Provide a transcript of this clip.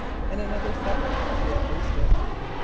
In another second she had loosed it.